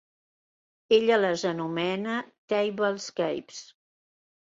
Ella les anomena "tablescapes".